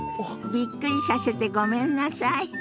びっくりさせてごめんなさい。